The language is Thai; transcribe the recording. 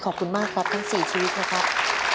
ขอบคุณมากครับทั้ง๔ชีวิตนะครับ